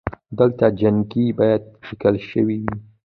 دلته جینکۍ بايد ليکل شوې وئ